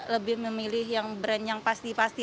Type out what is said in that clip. lebih memilih yang brand yang pasti pasti